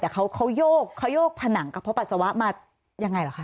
แต่เขายกผนังกับเพาะปัสสาวะยังไงเหรอคะ